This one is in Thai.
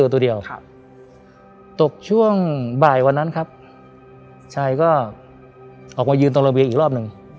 ตัวเดียวครับตกช่วงบ่ายวันนั้นครับชายก็ออกมายืนตรงระเบียงอีกรอบหนึ่ง